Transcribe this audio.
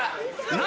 何？